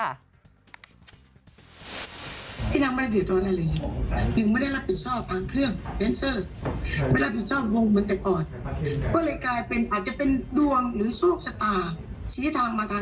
แล้วเราก็จะเป็นเต็มบ้านแต่งนานค่ะ